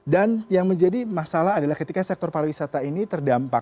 dan yang menjadi masalah adalah ketika sektor pariwisata ini terdampak